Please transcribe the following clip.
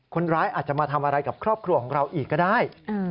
คนร้ายอาจจะมาทำอะไรกับครอบครัวของเราอีกก็ได้